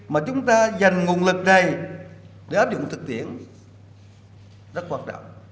mà chúng ta dành nguồn lực này để áp dụng thực tiễn rất hoạt động